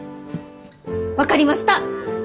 分かりました！